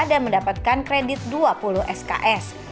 mendapatkan kredit dua puluh sks